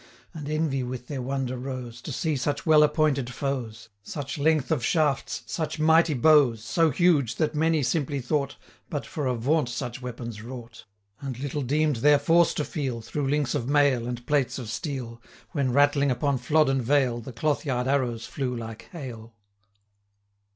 And envy with their wonder rose, 10 To see such well appointed foes; Such length of shafts, such mighty bows, So huge, that many simply thought, But for a vaunt such weapons wrought; And little deem'd their force to feel, 15 Through links of mail, and plates of steel, When rattling upon Flodden vale, The cloth yard arrows flew like hail.